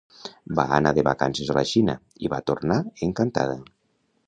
Va anar de vacances a la Xina, i va tornar encantada.